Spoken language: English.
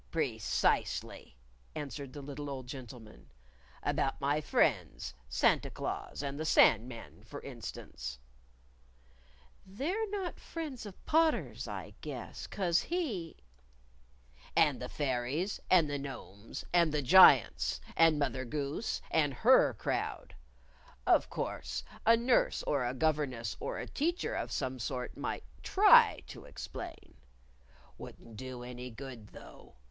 "Precisely," answered the little old gentleman; " about my friends, Santa Claus and the Sand Man, for instance " "They're not friends of Potter's, I guess. 'Cause he "" And the fairies, and the gnomes, and the giants; and Mother Goose and her crowd. Of course a nurse or a governess or a teacher of some sort might try to explain. Wouldn't do any good, though.